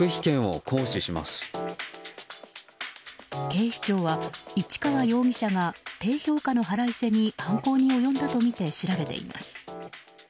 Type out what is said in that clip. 警視庁は市川容疑者が低評価の腹いせに犯行に及んだとみて調べています。